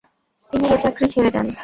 তিনি এ চাকরি ছেড়ে দেন।